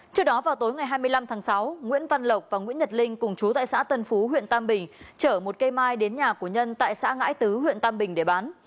trước đó vào tối ngày hai mươi năm tháng sáu nguyễn văn lộc và nguyễn nhật linh cùng chú tại xã tân phú huyện tam bình chở một cây mai đến nhà của nhân tại xã ngãi tứ huyện tam bình để bán